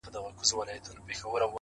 په دې پوهېږمه چي ستا د وجود سا به سم~